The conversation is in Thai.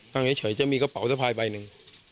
นั่งเฉยจะมีกระเป๋าสะพายใบหนึ่ง